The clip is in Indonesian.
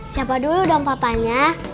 siapa dulu dong papanya